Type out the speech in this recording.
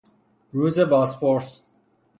روز بازپرس